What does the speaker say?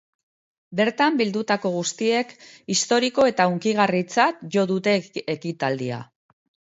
Bertan bildutako guztiek historiko eta hunkigarritzat jo dute ekitaldia.